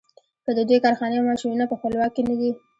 که د دوی کارخانې او ماشینونه په خپل واک کې نه دي.